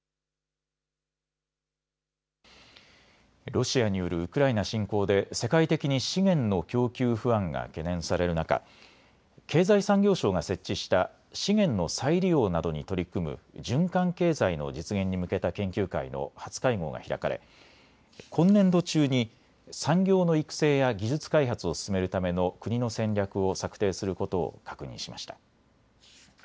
ロシアによるウクライナ侵攻で世界的に資源の供給不安が懸念される中、経済産業省が設置した資源の再利用などに取り組む循環経済の実現に向けた研究会の初会合が開かれ今年度中に産業の育成や技術開発を進めるための国の戦略を策定することを確認しました。